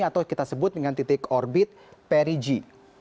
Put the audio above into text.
atau kita sebut dengan titik orbit perigi